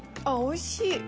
あっおいしい。